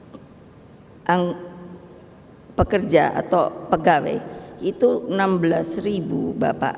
tapi sekarang beliau tidak